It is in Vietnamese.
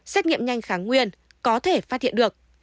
xét nghiệm nhanh kháng nguyên có thể phát hiện được